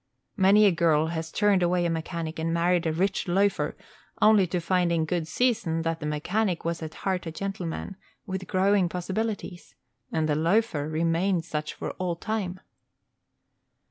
Many a girl has turned away a mechanic and married a rich loafer, only to find in good season that the mechanic was at heart a gentleman, with growing possibilities, and the loafer remained such for all time.